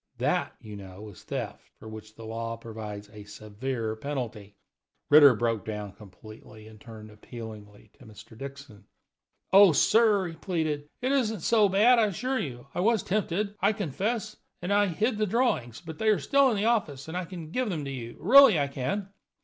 That, you know, is theft, for which the law provides a severe penalty." Ritter broke down completely and turned appealingly to Mr. Dixon. "Oh, sir," he pleaded, "it isn't so bad, I assure you. I was tempted, I confess, and hid the drawings; but they are still in the office, and I can give them to you really, I can."